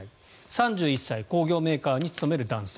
３１歳工業メーカーに勤める男性。